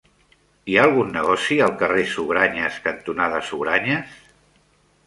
Hi ha algun negoci al carrer Sugranyes cantonada Sugranyes?